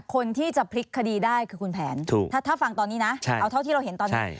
คนที่จะพลิกคดีได้คือคุณแผนถ้าฟังตอนนี้นะเอาเท่าที่เราเห็นตอนนี้